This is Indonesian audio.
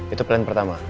itu plan pertama